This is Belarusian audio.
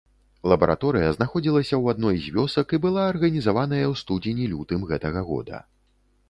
Лабараторыя знаходзілася ў адной з вёсак і была арганізаваная ў студзені-лютым гэтага года.